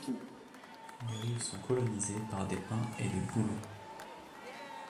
Les rives sont colonisées par des pins et des bouleaux.